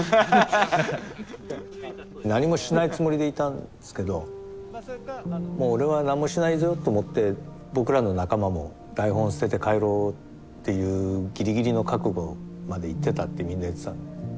何もしないつもりでいたんですけどもう俺はなんもしないぞと思って僕らの仲間も台本捨てて帰ろうっていうギリギリの覚悟までいってたってみんな言ってた。